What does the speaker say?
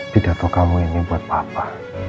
pidato kamu ini buat apa